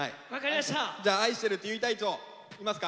じゃあ「愛してる」って言いたい人いますか？